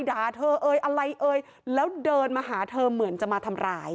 ด่าเธอเอ่ยอะไรเอ่ยแล้วเดินมาหาเธอเหมือนจะมาทำร้าย